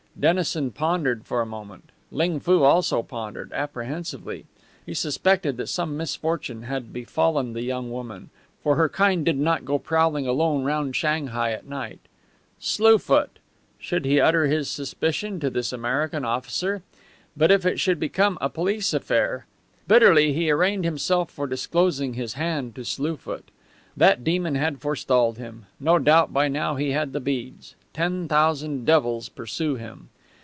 Dennison pondered for a moment. Ling Foo also pondered apprehensively. He suspected that some misfortune had befallen the young woman, for her kind did not go prowling alone round Shanghai at night. Slue Foot! Should he utter his suspicion to this American officer? But if it should become a police affair! Bitterly he arraigned himself for disclosing his hand to Slue Foot. That demon had forestalled him. No doubt by now he had the beads. Ten thousand devils pursue him!